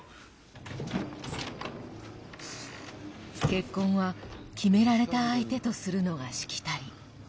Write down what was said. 結婚は、決められた相手とするのがしきたり。